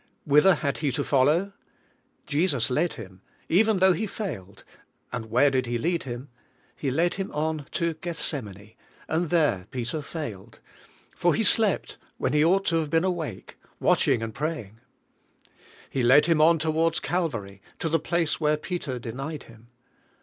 Whither had he to follow? Jesus led him, even though he failed; and where did he lead him? He led him on to Gethsemane, and there Peter failed, for he slept when he ought to have been awake, watching and praying; He led him on towards Calvary, to the place where Peter denied Him.